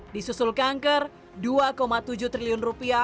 di susul kanker rp dua tujuh triliun